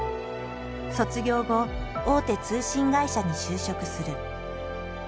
卒業後大手通信会社に就職する。